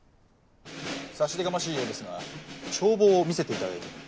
差し出がましいようですが帳簿を見せていただいても？